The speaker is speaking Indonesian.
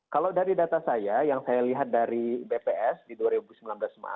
kalau dari data saya yang saya lihat dari bps di dua ribu sembilan belas kemarin